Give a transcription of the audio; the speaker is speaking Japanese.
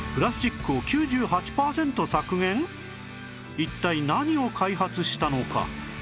一体何を開発したのか？